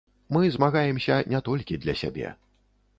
Мы змагаемся не толькі для сябе.